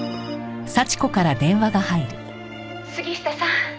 「杉下さん」